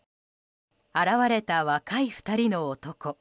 現れた若い２人の男。